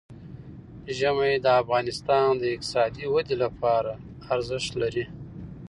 ژمی د افغانستان د اقتصادي ودې لپاره ارزښت لري.